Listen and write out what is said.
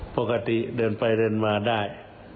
ปกติเดินไปเดินมาได้